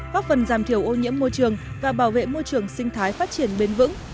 góp phần giảm thiểu ô nhiễm môi trường và bảo vệ môi trường sinh thái phát triển bền vững